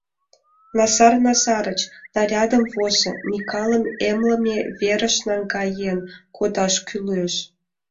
Назар Назарыч, нарядым возо; Микалым эмлыме верыш наҥгаен кодаш кӱлеш.